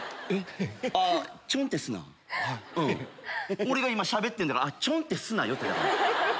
俺が今しゃべってんだからちょんってすなよってだから。